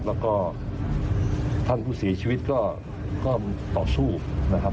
แล้วก็ท่านผู้เสียชีวิตก็ต่อสู้นะครับ